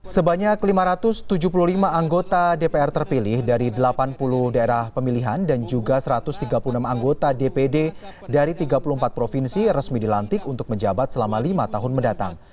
sebanyak lima ratus tujuh puluh lima anggota dpr terpilih dari delapan puluh daerah pemilihan dan juga satu ratus tiga puluh enam anggota dpd dari tiga puluh empat provinsi resmi dilantik untuk menjabat selama lima tahun mendatang